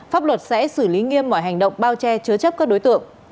pháp luật sẽ xử lý nghiêm mọi hành động bao che chứa chấp các đối tượng